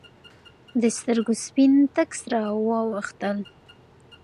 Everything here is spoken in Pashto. د سترګو سپین تک سره واوختېدل.